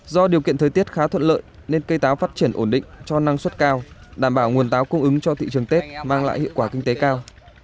do điều kiện thời tiết khá thuận lợi nên cây táo phát triển ổn định cho năng suất cao đảm bảo nguồn táo cung ứng cho thị trường tết mang lại hiệu quả kinh tế cao